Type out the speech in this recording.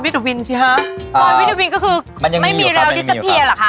วิทยุวินใช่หรือฮะวิทยุวินก็คือไม่มีเราดิสเฟียร์หรือคะแม่